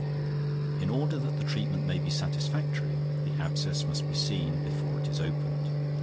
In order that the treatment may be satisfactory, the abscess must be seen before it is opened.